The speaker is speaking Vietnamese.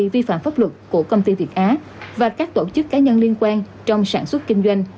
vi phạm pháp luật của công ty việt á và các tổ chức cá nhân liên quan trong sản xuất kinh doanh